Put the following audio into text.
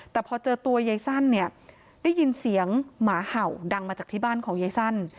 แต่พอเจอตัวยายสั้นเนี่ยได้ยินเสียงหมาเห่าดังมาจากที่บ้านของยายสั้น